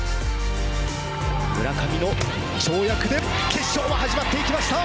村上の跳躍で決勝は始まっていきました。